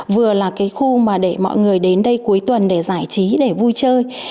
vừa là cái khu mà để mọi người đến đây cuối tuần để giải trí để vui chơi